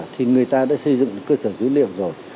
thì người ta đã xây dựng cơ sở dữ liệu rồi